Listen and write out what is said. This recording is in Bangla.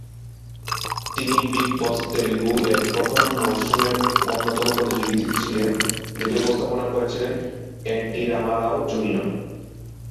তিনি "বিগ বস তেলুগু"-এর প্রথম মরসুমের অন্যতম প্রতিযোগী ছিলেন, যেটি উপস্থাপনা করেছিলেন N T Rama Rao junior.